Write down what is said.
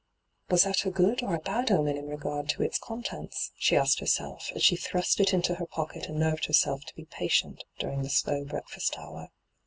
Was that a good or a bad omen in regard to its contents ? she asked herself, as she thrust it into her pocket and nerved herself to be patient during the slow breakfast hoar.